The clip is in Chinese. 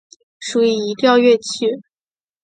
属于移调乐器。